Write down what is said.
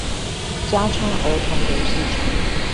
加昌兒童遊戲場